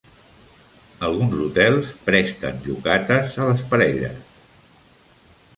Alguns hotels presten yukatas a les parelles.